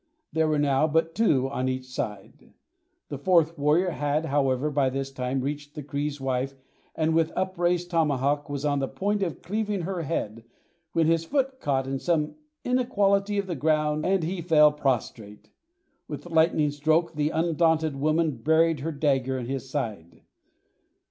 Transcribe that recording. There were now but two on each side. The fourth warrior had, however, by this time reached the Cree's wife and with upraised tomahawk was on the point of cleaving her head, when his foot caught in some inequality of the ground and he fell prostrate. With lightning stroke the undaunted woman buried her dagger in his side.